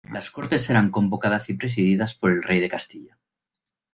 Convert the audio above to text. Las Cortes eran convocadas y presididas por el rey de Castilla.